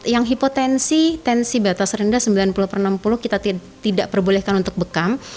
yang hipotensi tensi batas rendah sembilan puluh per enam puluh kita tidak perbolehkan untuk bekam